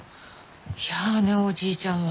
やあねおじいちゃんは。